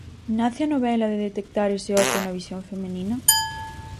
Nace a novela de detectar ese oco na visión feminina?